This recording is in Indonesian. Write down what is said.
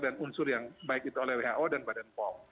dan unsur yang baik itu oleh who dan badan pom